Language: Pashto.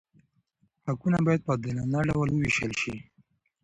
حقونه باید په عادلانه ډول وویشل شي.